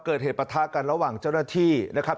ประทะกันระหว่างเจ้าหน้าที่นะครับ